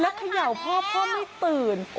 เขย่าพ่อพ่อไม่ตื่น